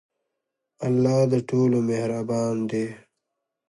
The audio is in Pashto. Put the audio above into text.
الله د ټولو مهربان دی.